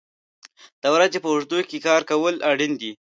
د ورځې په اوږدو کې کار کول اړین دي.